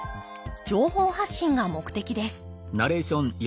情報発信が目的です